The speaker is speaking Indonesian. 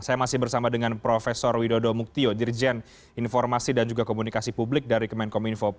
saya masih bersama dengan prof widodo muktio dirjen informasi dan juga komunikasi publik dari kemenkominfo